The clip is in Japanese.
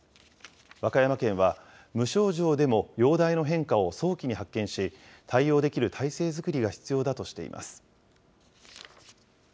和歌山県は、無症状でも容体の変化を早期に発見し、対応できる態勢作りが必要だとしています。